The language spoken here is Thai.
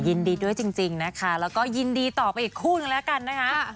ยินดีด้วยจริงนะคะแล้วก็ยินดีต่อไปอีกคู่นึงแล้วกันนะคะ